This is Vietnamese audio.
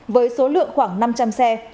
với số lượng khoảng năm trăm linh xe